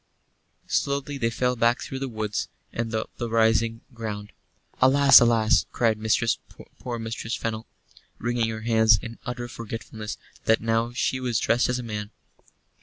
Slowly they fell back through the woods and up the rising ground. "Alas, alas!" cried poor Mistress Fennel, wringing her hands in utter forgetfulness that now she was dressed as a man.